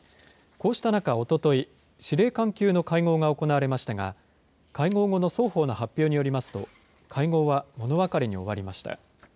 こうした中おととい、司令官級の会合が行われましたが、会合後の双方の発表によりますと、会合は物別れに終わりました。